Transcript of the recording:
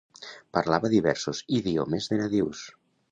Parlava diversos idiomes de nadius.